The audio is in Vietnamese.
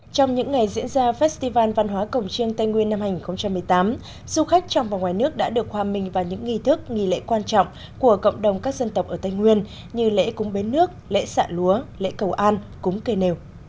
trong những ngày diễn ra festival văn hóa cổng chiêng tây nguyên năm hai nghìn một mươi tám du khách trong và ngoài nước đã được hòa mình vào những nghi thức nghi lễ quan trọng của cộng đồng các dân tộc ở tây nguyên như lễ cúng bến nước lễ xạ lúa lễ cầu an cúng cây nêu